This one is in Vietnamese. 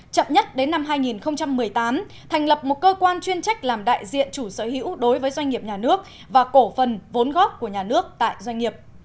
chậm nhất đến năm hai nghìn một mươi tám thành lập một cơ quan chuyên trách làm đại diện chủ sở hữu đối với doanh nghiệp nhà nước và cổ phần vốn góp của nhà nước tại doanh nghiệp